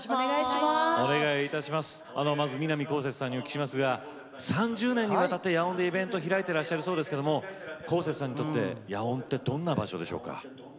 まず南こうせつさんにお聞きしますが３０年にわたって野音でイベント開いてらっしゃるそうですけどこうせつさんにとって野音ってどんな場所でしょうか？